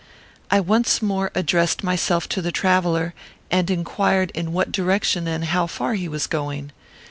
I once more addressed myself to the traveller, and inquired in what direction and how far he was going.